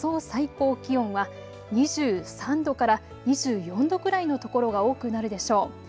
最高気温は２３度から２４度くらいの所が多くなるでしょう。